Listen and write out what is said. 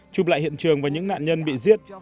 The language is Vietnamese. chụp lại hiện trường và những nạn nhân bị giết